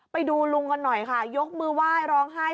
ไปดูลุงกันหน่อยค่ะยกมือไหว้ร้องไห้